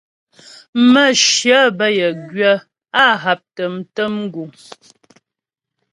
Mə̌shyə bə́ yə gwyə̌, á haptə mtə̀m guŋ.